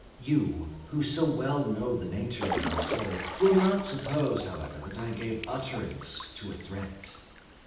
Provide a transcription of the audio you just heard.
You, who so well know the nature of my soul, will not suppose, however, that I gave utterance to a threat.